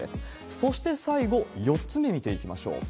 そして最後、４つ目、見ていきましょう。